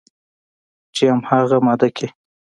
چې همغه ماده کې